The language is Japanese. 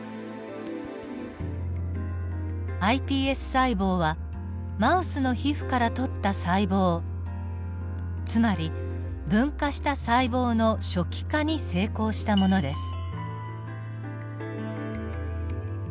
ｉＰＳ細胞はマウスの皮膚から採った細胞つまり分化した細胞の初期化に成功したものです。